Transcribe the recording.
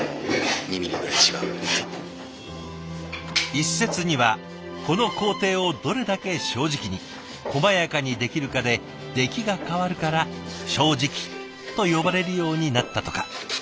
一説にはこの工程をどれだけ正直にこまやかにできるかで出来が変わるから「正直」と呼ばれるようになったとか。